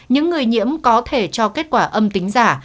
những người nhiễm có thể cho kết quả âm tính giả